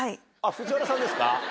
藤原さんですか。